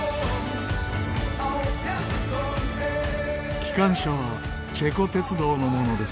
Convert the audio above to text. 機関車はチェコ鉄道のものです。